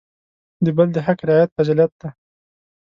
د بل د حق رعایت فضیلت دی.